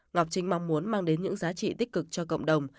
ngọc trinh mong muốn mang đến những giá trị tích cực cho cộng đồng